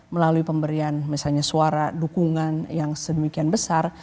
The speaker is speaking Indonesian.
melalui pemberian misalnya suara dukungan yang sedemikian besar